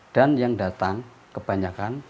dan yang datang kebanyakan